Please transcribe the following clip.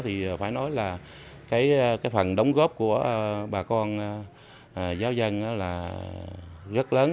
thì phải nói là cái phần đóng góp của bà con giáo dân là rất lớn